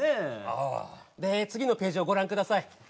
ああで次のページをご覧ください